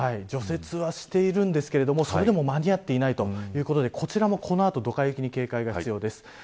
除雪しているんですがそれでも間に合っていないということでこちらもドカ雪に警戒が必要です。